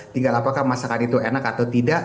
tinggal apakah masakan itu enak atau tidak